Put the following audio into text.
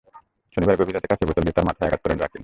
শনিবার গভীর রাতে কাচের বোতল দিয়ে তার মাথায় আঘাত করেন রাকিন।